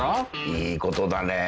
いいことだねえ。